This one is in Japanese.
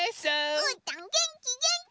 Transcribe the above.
うーたんげんきげんき！